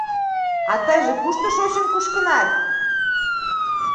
А тыйже кушто шочын-кушкынат?